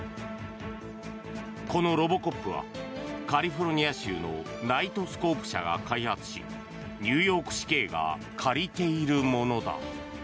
このロボコップはカリフォルニア州のナイトスコープ社が開発しニューヨーク市警が借りているものだ。